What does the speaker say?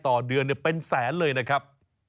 ต่อเดือนเป็นแสนเลยนะครับ